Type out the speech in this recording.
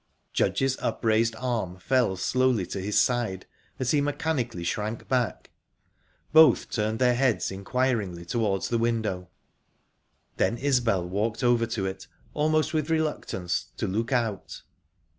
Judge's upraised arm fell slowly to his side, as he mechanically shrank back. Both turned their heads inquiringly towards the window. Then Isbel walked over to it, almost with reluctance, to look out.